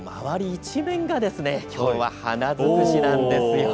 一面がきょうは花尽くしなんです。